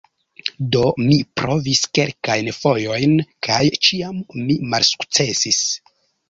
Do mi provis kelkajn fojojn, kaj ĉiam mi malsukcesis.